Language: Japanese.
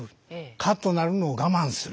カッとなるのを我慢する。